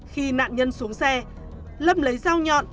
khi nạn nhân xuống xe lâm lấy dao nhọn